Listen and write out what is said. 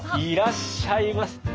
いらっしゃいませ。